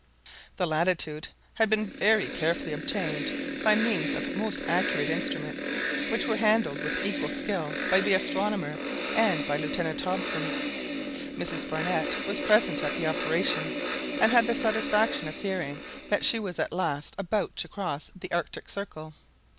The latitude had been very carefully obtained by means of most accurate instruments, which were handled with equal skill by the astronomer and by Lieutenant Hobson. Mrs Barnett was present at the operation, and had the satisfaction of hearing that she was at last about to cross the Arctic Circle.